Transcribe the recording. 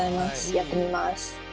やってみます。